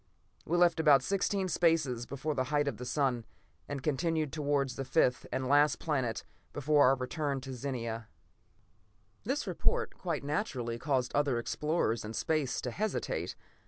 "We left about sixteen spaces before the height of the sun, and continued towards the fifth and last planet before our return to Zenia." This report, quite naturally, caused other explorers in space to hesitate.